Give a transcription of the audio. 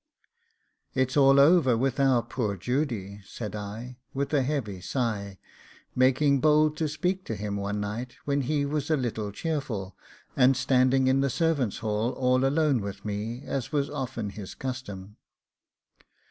'It's all over with our poor Judy!' said I, with a heavy sigh, making bold to speak to him one night when he was a little cheerful, and standing in the servants' hall all alone with me as was often his custom.